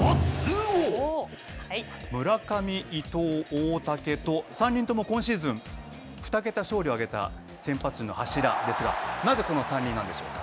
村上、伊藤、大竹と、３人とも今シーズン、２桁勝利を挙げた先発陣の柱ですが、なぜこの３人なんでしょうか。